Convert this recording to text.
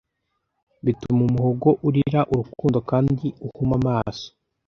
Bituma umuhogo urira urukundo kandi uhuma amaso.